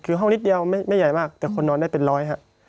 คือห้องนิดเดียวไม่ใหญ่มากแต่คนนอนได้เป็นร้อยฮะ